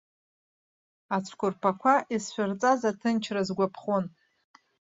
Ацәқәырԥақәа исшәырҵаз аҭынчра сгәаԥхон.